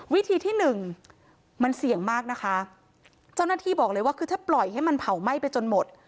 วิธีที่หนึ่งมันเสี่ยงมากนะคะเจ้าหน้าที่บอกเลยว่าคือถ้าปล่อยให้มันเผาไหม้ไปจนหมด